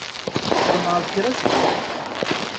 Tḍemɛeḍ kra seg-s?